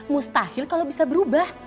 mustahil kalau bisa berubah